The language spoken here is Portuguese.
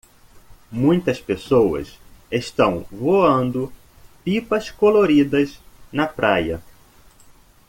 Muitas pessoas estão voando pipas coloridas na praia.